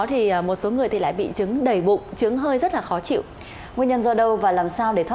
thì vô thì cũng thấy cũng gọi là bất ngờ